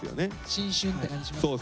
新春って感じしますよね。